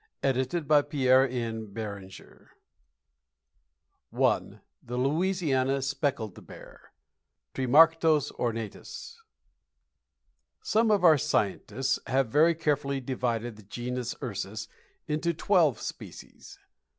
EDITED BY PIERRE N. BERINGER. I. THE LOUISIANA SPECTACLED BEAR. Tremarctos Ornatus. Some of our scientists have very carefully divided the Genus Ursus into twelve species.